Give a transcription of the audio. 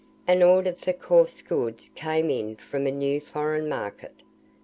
An order for coarse goods came in from a new foreign market.